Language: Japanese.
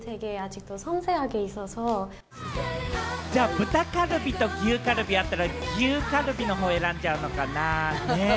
豚カルビと牛カルビあったら、牛カルビのほう選んじゃうのかな？ね。